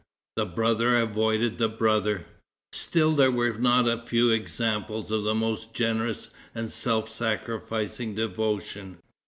The brother avoided the brother. Still there were not a few examples of the most generous and self sacrificing devotion.